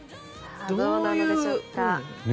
どうなんでしょうか。